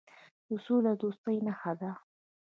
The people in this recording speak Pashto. د سولې او دوستۍ نښه ده.